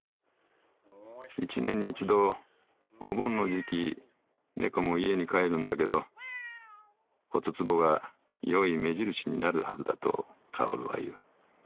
一年に一度お盆の時期猫も家に帰るんだけど骨壺が良い目印になるはずだと薫は言う。